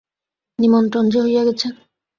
নিমন্ত্রণ যে হইয়া গেছে।